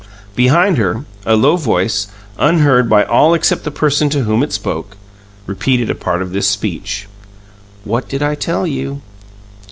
Behind her, a low voice, unheard by all except the person to whom it spoke, repeated a part of this speech: "What did I tell you?"